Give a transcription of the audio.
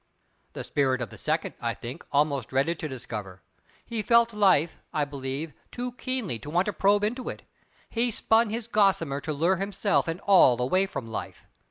The spirit of the second, I think, almost dreaded to discover; he felt life, I believe, too keenly to want to probe into it; he spun his gossamer to lure himself and all away from life.